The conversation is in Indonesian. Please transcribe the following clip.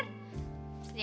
ya setuju ter